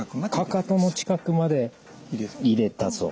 かかとの近くまで入れたぞ。